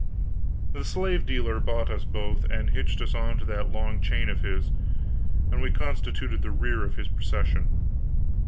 The slave dealer bought us both, and hitched us onto that long chain of his, and we constituted the rear of his procession.